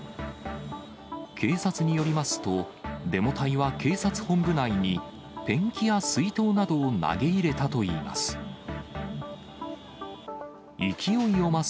警察によりますと、デモ隊は警察本部内に、ペンキや水筒などを投げ入れたといいます。